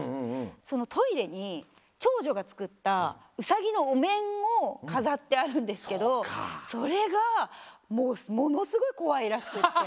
そのトイレにちょうじょがつくったうさぎのおめんをかざってあるんですけどそれがもうものすごい怖いらしくって。